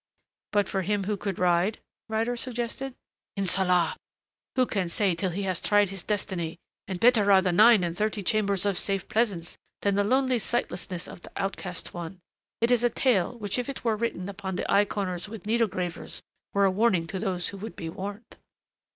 "But for him who could ride?" Ryder suggested. "Inshallah! Who can say till he has tried his destiny and better are the nine and thirty chambers of safe pleasance than the lonely sightlessness of the outcast one.... It is a tale which if it were written upon the eye corners with needle gravers, were a warning to those who would be warned."